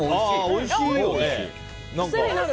おいしいよね、何か。